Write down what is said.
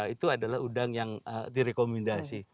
itu adalah udang yang direkomendasi